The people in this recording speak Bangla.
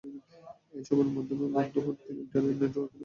এসব মাধ্যম বন্ধ করতে গিয়ে ইন্টারনেট নেটওয়ার্কের ওপর কিছুটা প্রভাব পড়তে পারে।